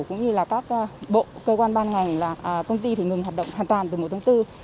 cũng như là các bộ cơ quan ban ngành là công ty phải ngừng hoạt động hoàn toàn từ mùa tháng bốn